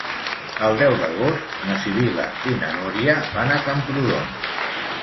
El deu d'agost na Sibil·la i na Núria van a Camprodon.